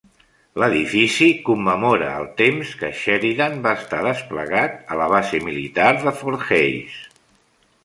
L'edifici commemora el temps que Sheridan va estar desplegat a la base militar de Fort Hays.